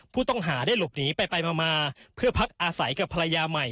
ผู้ต้องหาได้หลบหนีไปมาเพื่อพักอาศัยกับภรรยาใหม่